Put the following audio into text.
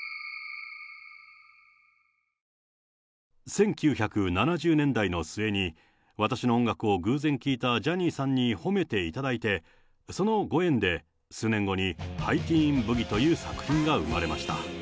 １９７０年代の末に、私の音楽を偶然聞いたジャニーさんに褒めていただいて、そのご縁で数年後に、ハイティーン・ブギという作品が生まれました。